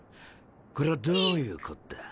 こりゃどういうこった？